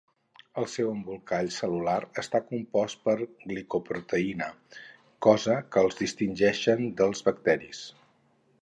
El seu embolcall cel·lular està compost per glicoproteïna, cosa que els distingeixen dels bacteris.